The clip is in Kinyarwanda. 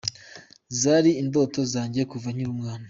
Zari indoto zanje kuva nkiri umwana.